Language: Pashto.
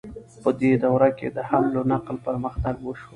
په دې دوره کې د حمل او نقل پرمختګ وشو.